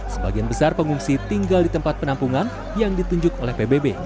sebagian besar pengungsi tinggal di tempat penampungan yang ditunjuk oleh pbb